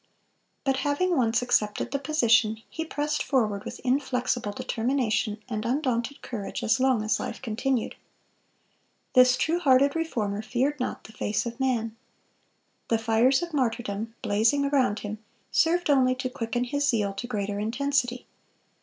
But having once accepted the position, he pressed forward with inflexible determination and undaunted courage as long as life continued. This true hearted Reformer feared not the face of man. The fires of martyrdom, blazing around him, served only to quicken his zeal to greater intensity.